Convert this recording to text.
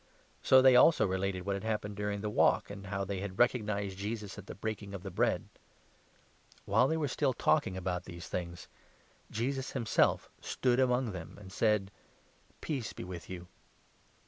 So they also related what had happened 35 during their walk, and how they had recognized Jesus at the Breaking of the Bread. Jesi While they were still talking about these things, 36 appears to the Jesus himself stood among them, [and said Apostles. " Peace be with you."